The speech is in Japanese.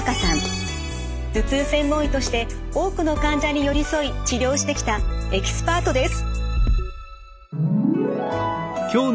頭痛専門医として多くの患者に寄り添い治療してきたエキスパートです。